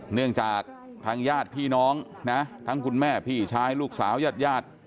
เนื่องจากทางญาติพี่น้องนะทั้งคุณแม่พี่ชายลูกสาวยาด